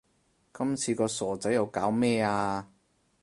今次個傻仔又搞咩呀